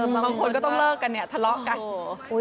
บางคนก็ต้องเลิกกันเนี่ยทะเลาะกัน